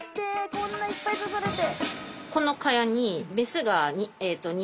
こんないっぱい刺されて。